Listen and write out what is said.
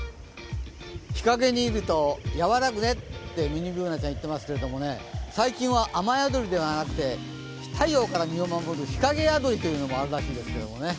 日陰にいると、和らぐねってミニＢｏｏｎａちゃん言ってますけどね最近は雨宿りではなくて太陽から身を守る日陰宿りというのもあるらしいですけどね。